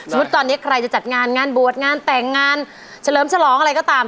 ตอนนี้ใครจะจัดงานงานบวชงานแต่งงานเฉลิมฉลองอะไรก็ตาม